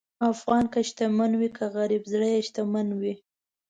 افغان که شتمن وي که غریب، زړه یې شتمن وي.